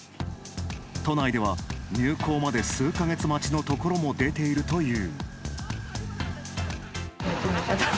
都内では入校まで数か月待ちのところまで出ているという。